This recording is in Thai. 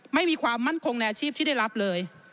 ไม่มีความมั่นคงในอาชีพที่ได้รับเลย